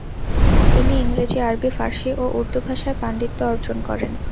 তিনি ইংরেজি, আরবি, ফার্সি ও উর্দু ভাষায় পান্ডিত্য অর্জন করেন।